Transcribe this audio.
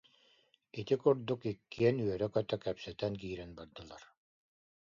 Ити курдук иккиэн үөрэ-көтө кэпсэтэн киирэн бардылар